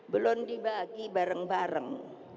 belum dibagi bareng bareng